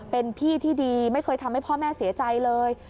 เป็นพี่ที่ดีไม่เคยทำให้พ่อแม่เสียใจเลย